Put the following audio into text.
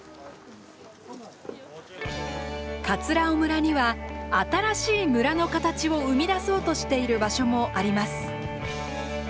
尾村には新しい村の形を生み出そうとしている場所もあります。